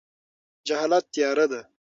جهالت تیاره ده.